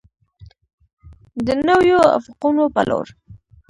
د نویو افقونو په لور.